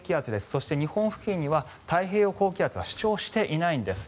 そして、日本付近には太平洋高気圧が主張していないんです。